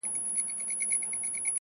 اخلاق د انسان د نوم رنګ دی!.